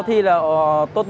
mỗi loại một bộ